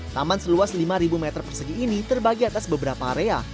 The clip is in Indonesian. taman seluas lima meter persegi ini terbagi atas beberapa area